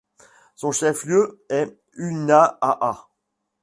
Son chef-lieu est Unaaha.